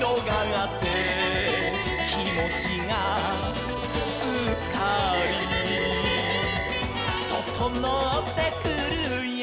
「きもちがすっかり」「ととのってくるよ」